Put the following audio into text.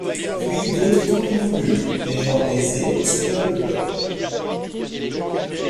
Puis d'autres tant qu'ils voulurent, des gens aisés aussi bien que le peuple.